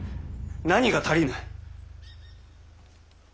何が足りぬ。